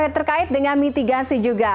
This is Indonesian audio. terkait dengan mitigasi juga